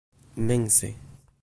mense